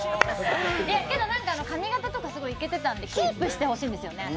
けど、なんか髪形とかイケてたのでキープしてほしいんですよね。